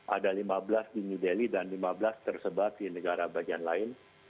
ada lima belas di new delhi dan lima belas tersebar di negara bagian lain